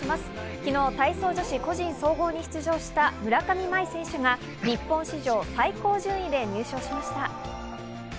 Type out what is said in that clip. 昨日、体操女子個人総合に出場した村上茉愛選手が日本史上最高順位で入賞しました。